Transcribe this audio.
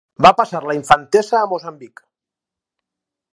Va passar la infantesa a Moçambic.